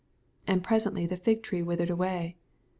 And presently the fig tree withered away.